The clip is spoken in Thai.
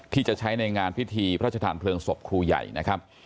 ที่จะใช้ในงานพิธีพระชธานเพลิงศพครูใหญ่นะครับ